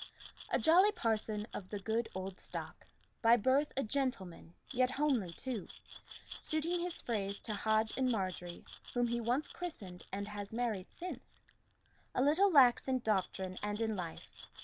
A jolly parson of the good old stock, By birth a gentleman, yet homely too, Suiting his phrase to Hodge and Margery Whom he once christened, and has married since, A little lax in doctrine and in life.